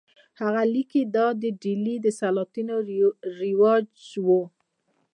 هغه لیکي چې دا د ډیلي د سلاطینو رواج و.